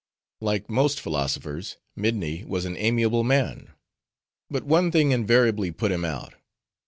Like most philosophers, Midni was an amiable man; but one thing invariably put him out.